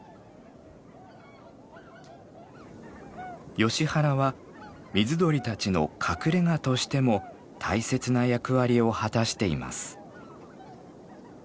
ヨシ原は水鳥たちの隠れがとしても大切な役割を果たしています。